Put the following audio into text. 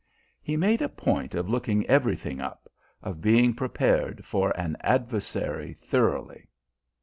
He made a point of looking everything up, of being prepared for an adversary thoroughly.